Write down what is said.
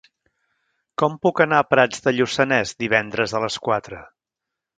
Com puc anar a Prats de Lluçanès divendres a les quatre?